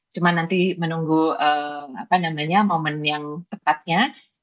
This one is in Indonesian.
cuma nanti menunggu momen yang tepatnya